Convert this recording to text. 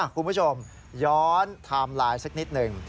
คุณผู้ชมย้อนไทม์ไลน์สักนิดหนึ่ง